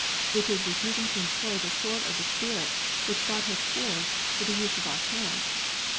It is refusing to employ the sword of the Spirit which God has forged for the use of our hand.